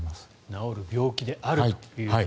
治る病気であると。